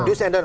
do dan don't